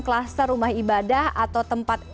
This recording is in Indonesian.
kluster rumah ibadah atau tempat